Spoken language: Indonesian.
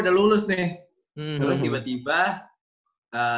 udah lulus nih terus tiba tiba